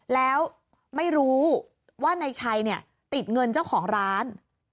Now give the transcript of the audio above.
แล้วไม่รู้ว่านายชัยติดเงินเจ้าของร้าน